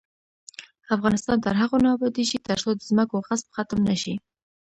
افغانستان تر هغو نه ابادیږي، ترڅو د ځمکو غصب ختم نشي.